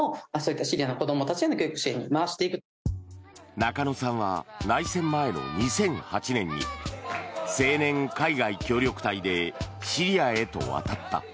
中野さんは内戦前の２００８年に青年海外協力隊でシリアへと渡った。